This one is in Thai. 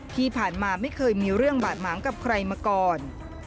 ที่ผ่านมาไม่เคยมีเรื่องบาดหมางกับใครมาก่อน